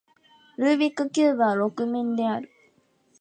ルービックキューブは六面である